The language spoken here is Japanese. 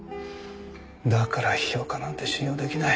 だから批評家なんて信用出来ない。